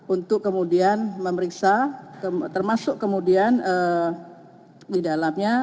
untuk kemudian memeriksa termasuk kemudian di dalamnya